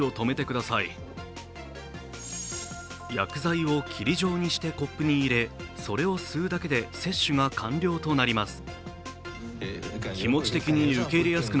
薬剤を霧状にしてコップに入れそれを吸うだけで接種が完了となります。